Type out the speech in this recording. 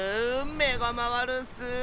めがまわるッス！